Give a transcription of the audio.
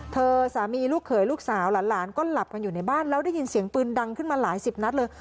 สามีลูกเขยลูกสาวหลานก็หลับกันอยู่ในบ้านแล้วได้ยินเสียงปืนดังขึ้นมาหลายสิบนัดเลย